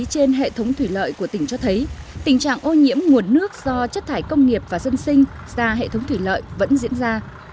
trên hệ thống thủy lợi của tỉnh cho thấy tình trạng ô nhiễm nguồn nước do chất thải công nghiệp và dân sinh ra hệ thống thủy lợi vẫn diễn ra